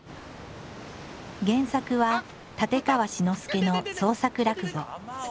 原作は立川志の輔の創作落語。